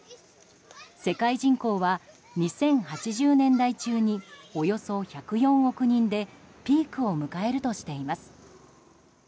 世界人口は２０８０年代中におよそ１０４億人でピークを迎えるとしています。